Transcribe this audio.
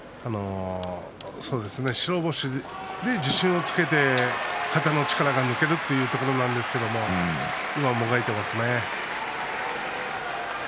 白星で自信をつけて肩の力が抜けるという相撲なんですけれども豊昇龍は、もがいてますね。